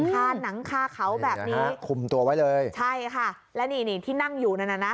ฆ่าหนังฆ่าเขาแบบนี้คุมตัวไว้เลยใช่ค่ะแล้วนี่นี่ที่นั่งอยู่นั่นน่ะนะ